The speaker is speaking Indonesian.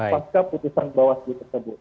setelah putusan bawaslu tersebut